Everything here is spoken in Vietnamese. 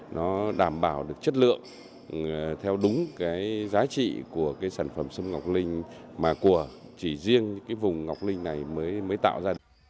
nó đảm bảo được chất lượng theo đúng giá trị của sản phẩm sâm ngọc linh mà của chỉ riêng vùng ngọc linh này mới tạo ra